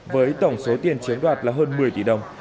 với tổng số tiền chiếm đoạt là hơn một mươi tỷ đồng